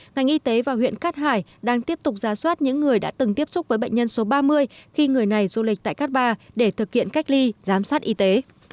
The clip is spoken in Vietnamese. ngành y tế và huyện cát hải đang tiếp tục ra soát những người đã từng tiếp xúc với bệnh nhân số ba mươi khi người này du lịch tại cát bà để thực hiện cách ly giám sát y tế